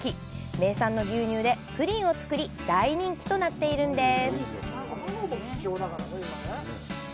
名産の牛乳でプリンを作り大人気となっているんです。